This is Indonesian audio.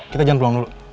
kita jam peluang dulu